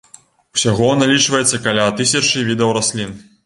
Усяго налічваецца каля тысячы відаў раслін.